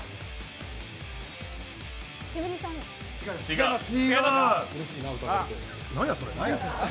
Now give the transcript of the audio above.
違います。